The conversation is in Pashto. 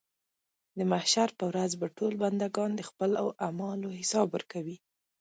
د محشر په ورځ به ټول بندګان د خپلو اعمالو حساب ورکوي.